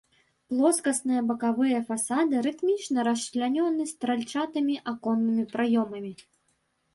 Плоскасныя бакавыя фасады рытмічна расчлянёны стральчатымі аконнымі праёмамі.